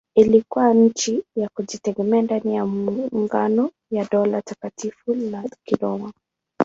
Ilikuwa nchi ya kujitegemea ndani ya maungano ya Dola Takatifu la Kiroma.